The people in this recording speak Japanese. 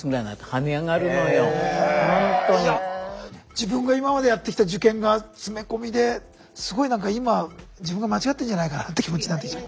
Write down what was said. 自分が今までやってきた受験が詰め込みですごい何か今自分が間違ってるんじゃないかなって気持ちになってきちゃう。